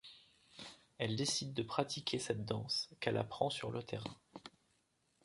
Elle décide de pratiquer cette danse, qu’elle apprend sur le terrain.